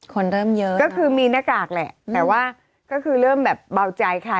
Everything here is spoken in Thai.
คนเริ่มเยอะก็คือมีหน้ากากแหละแต่ว่าก็คือเริ่มแบบเบาใจค่ะ